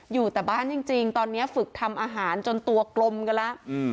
อยู่แต่บ้านจริงตอนนี้ฝึกทำอาหารจนตัวกลมกันแล้ว